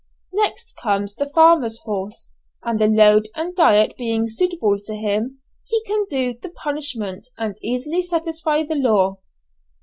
Next comes the farmer's horse, and the load and diet being suitable to him, he can do the punishment and easily satisfy the law.